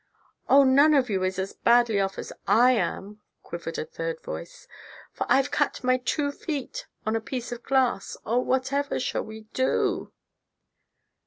"Oh! none of you is as badly off as I am," quivered a third voice, "for I've cut my two feet on a piece of glass! Oh, whatever shall we do?"